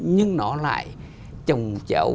nhưng nó lại trồng trèo